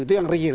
itu yang real